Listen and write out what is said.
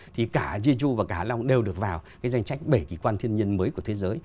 thì cả jeju và cả hạ long đều được vào cái danh trách bảy kỳ quan thiên nhiên mới của thế giới